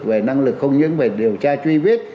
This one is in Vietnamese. về năng lực không những về điều tra truy vết